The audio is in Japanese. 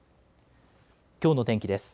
きょうの天気です。